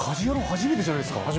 初めてじゃないですか？